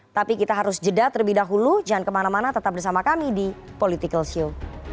tapi kita harus jeda terlebih dahulu jangan kemana mana tetap bersama kami di political show